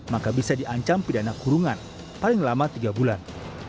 maka bisa diancam pidana kurungan paling lama tiga bulan